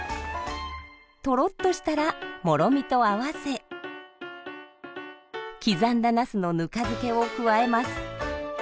とろっとしたらもろみと合わせ刻んだナスのぬか漬けを加えます。